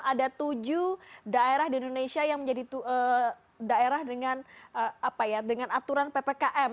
ada tujuh daerah di indonesia yang menjadi daerah dengan aturan ppkm